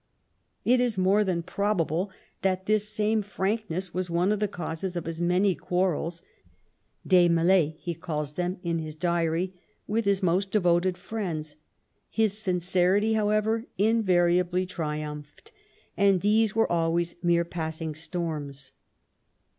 It is more than pro bable that this same frankness was one of the causes of his many quarrels — d^mSles, he calls them in his diary — with his most devoted friends. His sincerity, how ever, invariably triumphed, and these were always mere passing storms.